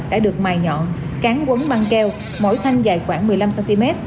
đã được mài nhọn cán quấn băng keo mỗi thanh dài khoảng một mươi năm cm